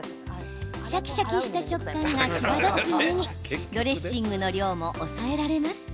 シャキシャキした食感が際立つうえにドレッシングの量も抑えられます。